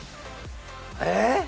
えっ？